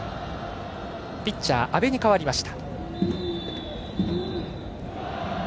ピッチャー、阿部に代わりました。